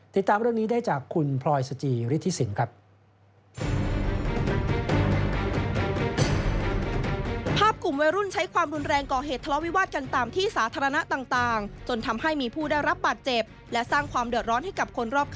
ติดตามเรื่องนี้ได้จากคุณพลอยสจิฤทธิสินครับ